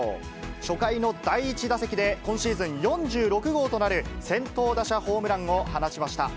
初回の第１打席で、今シーズン４６号となる、先頭打者ホームランを放ちました。